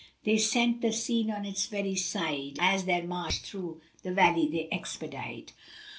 They scent the scene on its every side, * As their march through the valley they expedite.